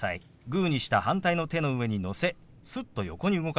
グーにした反対の手の上にのせすっと横に動かしますよ。